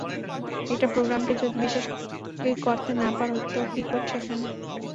একটা প্রোগ্রামকে যদি বিশ্বাসই করতে না পারো তো কী করছ এখানে?